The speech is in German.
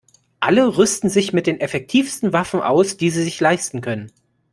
Alle rüsten sich mit den effektivsten Waffen aus, die sie sich leisten können.